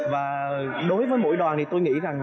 và đối với mỗi đoàn thì tôi nghĩ rằng